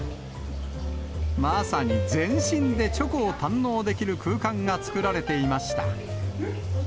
まさに全身でチョコを堪能できる空間が作られていました。